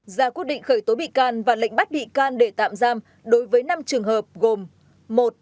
ra quyết định khởi tố bị can và lệnh bắt bị can để tạm giam đối với năm trường hợp gồm